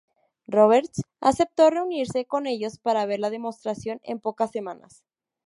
Roberts aceptó reunirse con ellos para ver la demostración en pocas semanas.